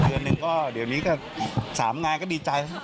เดือนหนึ่งก็สามงานก็ดีใจ